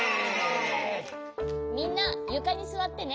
みんなゆかにすわってね。